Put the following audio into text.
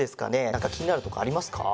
なんかきになるとこありますか？